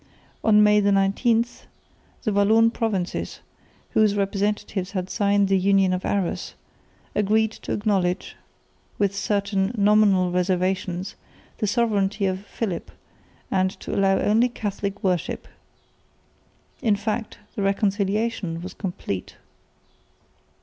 On May 19 the Walloon provinces, whose representatives had signed the Union of Arras, agreed to acknowledge, with certain nominal reservations, the sovereignty of Philip and to allow only Catholic worship. In fact the reconciliation was complete.